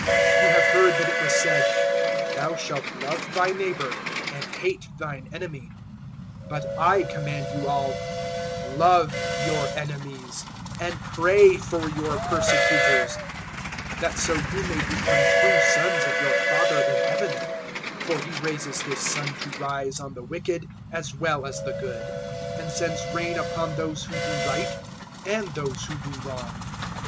005:043 "You have heard that it was said, `Thou shalt love thy neighbour and hate thine enemy.' 005:044 But I command you all, love your enemies, and pray for your persecutors; 005:045 that so you may become true sons of your Father in Heaven; for He causes His sun to rise on the wicked as well as the good, and sends rain upon those who do right and those who do wrong.